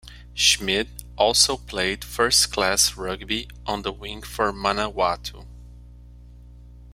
Schmidt also played first-class rugby on the wing for Manawatu.